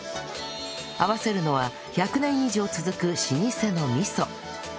合わせるのは１００年以上続く老舗の味噌